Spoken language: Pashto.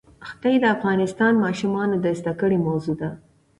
ښتې د افغان ماشومانو د زده کړې موضوع ده.